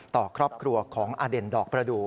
ต่อครอบครัวของอเด่นดอกประดูก